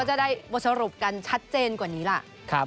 จะได้บทสรุปกันชัดเจนกว่านี้ล่ะ